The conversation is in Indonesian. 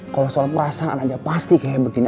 kalau soal perasaan aja pasti kayak begini